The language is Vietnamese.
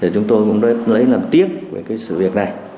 chúng tôi cũng lấy làm tiếc với cái sự việc này